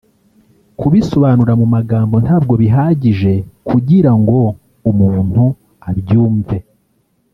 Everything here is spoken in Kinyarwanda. kubisobanura mu magambo ntabwo bihagije kugira ngo umuntu abyumve